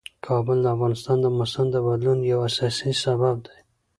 کابل د افغانستان د موسم د بدلون یو اساسي سبب دی.